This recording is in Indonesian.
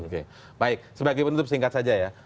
oke baik sebagai penutup singkat saja ya